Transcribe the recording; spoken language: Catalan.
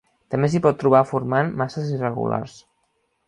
També s'hi pot trobar formant masses irregulars.